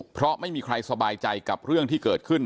เพราะไม่มีใครสบายใจกับเรื่องที่เกิดขึ้น